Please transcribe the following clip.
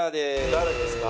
誰ですか？